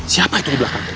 siapa itu di belakang